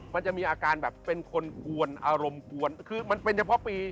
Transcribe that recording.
มันจะมีอาการแบบเป็นคนกวนอารมณ์กวนคือมันเป็นเฉพาะปี